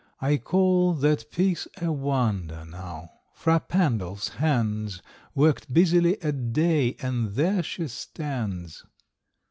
I call That piece a wonder, now: Fra Pandolf's hands Worked busily a day, and there she stands.